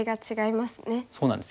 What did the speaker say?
そうなんですよね。